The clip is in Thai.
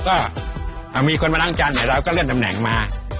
ถ้ามีคนมาล่างจานเราเริ่มตำแหน่งมา